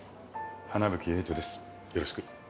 花吹エイトですよろしく。